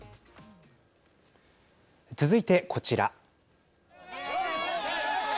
続いてこちら。